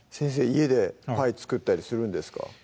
家でパイ作ったりするんですか？